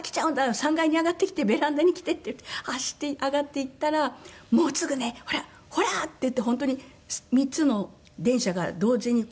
３階に上がってきてベランダに来て」って言って走って上がって行ったら「もうすぐねほらほら！」って言って本当に３つの電車が同時にこう。